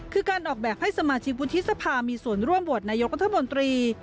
คือการออกแบบให้สมาชิกวุฒิสภามีส่วนร่วมโหวตนายกรัฐมนตรี